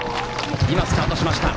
今、スタートしました。